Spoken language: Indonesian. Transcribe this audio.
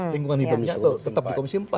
lingkungan hidupnya atau tetap di komisi empat